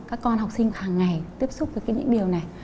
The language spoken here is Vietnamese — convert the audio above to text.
các con học sinh hàng ngày tiếp xúc với những điều này